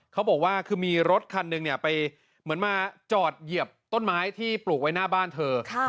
เขาบอกว่าคือมีรถคันหนึ่งไปเหมือนมาจอดเหยียบต้นไม้ที่ปลูกไว้หน้าบ้านเธอ